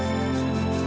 ya makasih ya